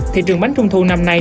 thị trường bánh trung thu năm nay